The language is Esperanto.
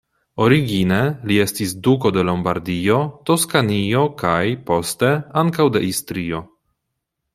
Origine, li estis duko de Lombardio, Toskanio kaj, poste, ankaŭ de Istrio.